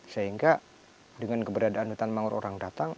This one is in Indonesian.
sehingga dengan keberadaan hutan mangro orang datang